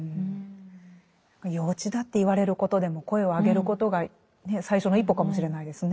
幼稚だって言われることでも声を上げることが最初の一歩かもしれないですね。